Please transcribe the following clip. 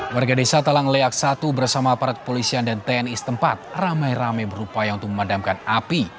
warga desa talang leak satu bersama aparat polisian dan tni setempat ramai ramai berupaya untuk memadamkan api